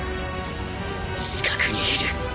近くにいる